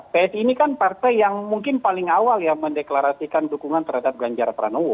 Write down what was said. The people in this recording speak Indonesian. psi ini kan partai yang mungkin paling awal ya mendeklarasikan dukungan terhadap ganjar pranowo